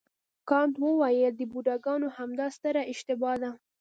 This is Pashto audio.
کانت وویل نه د بوډاګانو همدا ستره اشتباه ده.